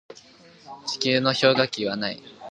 かつて、地球には極域に氷床が存在しない時期があった。